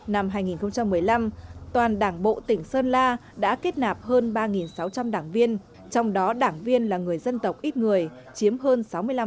năm hai nghìn một mươi năm toàn đảng bộ tỉnh sơn la đã kết nạp hơn ba sáu trăm linh đảng viên trong đó đảng viên là người dân tộc ít người chiếm hơn sáu mươi năm